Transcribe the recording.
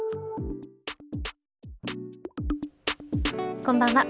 こんばんは。